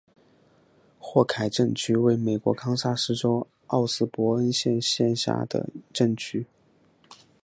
霍凯镇区为美国堪萨斯州奥斯伯恩县辖下的镇区。